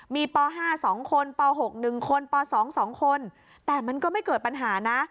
มีป๕๒คนป๖๑คนป๒๒คนแต่มันก็ไม่เกิดปัญหานะ